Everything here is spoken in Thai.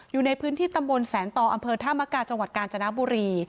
อยู่ในพื้นที่ตำบลแสนต่ออำเภอธามกาจังหวัดกาญจนบุรี